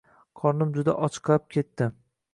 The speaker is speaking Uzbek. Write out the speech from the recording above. Qornim juda ochqab ketdi.